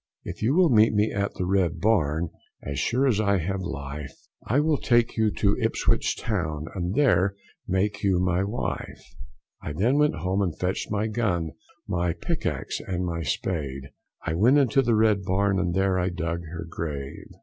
If you will meet me at the Red barn, as sure as I have life, I will take you to Ipswich town, and there make you my wife; I then went home and fetched my gun, my pickaxe and my spade, I went into the Red barn, and there I dug her grave.